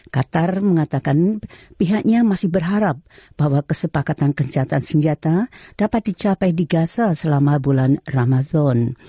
qatar mengatakan pihaknya masih berharap bahwa kesepakatan kencatan senjata dapat dicapai di gaza selama bulan ramadan